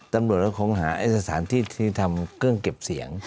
ตำรวจก็คงหาสถานที่ที่ทำเครื่องเก็บเสียง